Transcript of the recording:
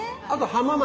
浜松。